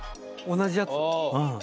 同じやつ！？